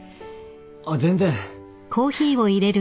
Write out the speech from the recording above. あっ全然。